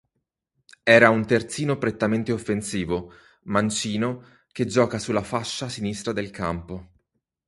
Era un terzino prettamente offensivo, mancino che gioca sulla fascia sinistra del campo.